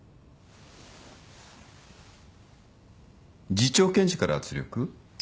次長検事から圧力？